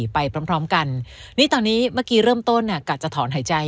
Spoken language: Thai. ไปพร้อมพร้อมกันนี่ตอนนี้เมื่อกี้เริ่มต้นกะจะถอนหายใจ